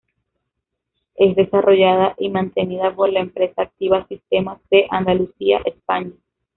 Es desarrollada y mantenida por la empresa Activa Sistemas, de Andalucía, España.